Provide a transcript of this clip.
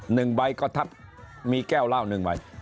หนึ่งใบก็ทับมีแก้วเหล้าหนึ่งใบ